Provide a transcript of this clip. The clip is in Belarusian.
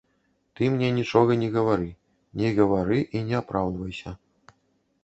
Ты мне нічога не гавары, не гавары і не апраўдвайся.